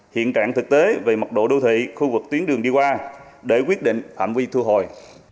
hiện trạng thực tế về mặt độ đô thị khu vực tuyến đường đi qua để quyết định ảnh quy thu hồi